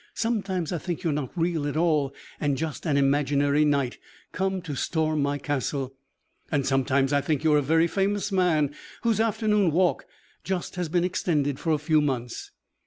Sometimes I think you're not real at all and just an imaginary knight come to storm my castle. And sometimes I think you're a very famous man whose afternoon walk just has been extended for a few months.